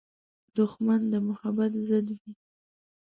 دښمن د محبت ضد وي